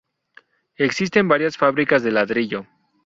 Existen varias fábricas de ladrillo.